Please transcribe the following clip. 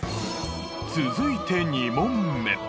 続いて２問目。